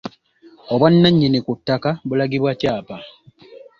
Obwannannyini ku ttaka bulagibwa kyapa.